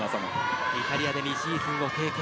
イタリアで２シーズンを経験。